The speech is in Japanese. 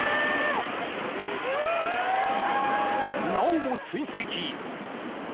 ［なおも追跡］